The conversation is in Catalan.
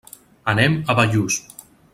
Anem a Bellús.